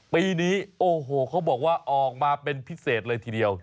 ปีนี้โอ้โหเขาบอกว่าออกมาเป็นพิเศษเลยทีเดียว